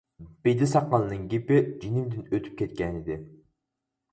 بېدە ساقالنىڭ گېپى جېنىمدىن ئۆتۈپ كەتكەنىدى.